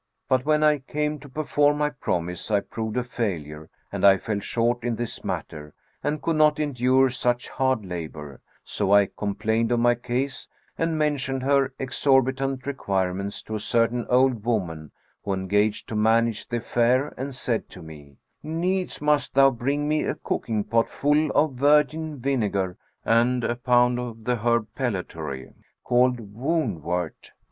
But when I came to perform my promise I proved a failure and I fell short in this matter and could not endure such hard labour: so I complained of my case and mentioned her exorbitant requirements to a certain old woman who engaged to manage the affair and said to me, 'Needs must thou bring me a cooking pot full of virgin vinegar and a pound of the herb pellitory called wound wort.'